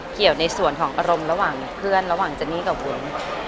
เกี่ยวในส่วนของอารมณ์ระหว่างเพื่อนระหว่างเจนี่กับวุ้น